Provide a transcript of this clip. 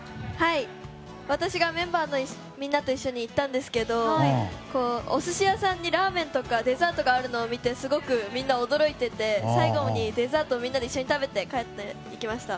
私もメンバーのみんなと一緒に行ったんですけどお寿司屋さんにラーメンとかデザートがあるのを見てすごくみんな驚いていて最後にデザートをみんなで一緒に食べて帰りました。